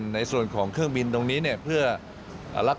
ขึ้นบินตลอดทุกวันนะครับเพราะฉะนั้นเนี่ยวันนี้เนี่ย